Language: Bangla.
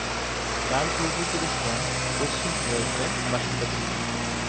তার পূর্বপুরুষগণ পশ্চিম ওয়েলসের বাসিন্দা ছিলেন।